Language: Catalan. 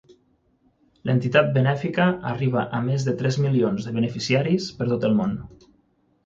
L'entitat benèfica arriba a més de tres milions de beneficiaris per tot el món.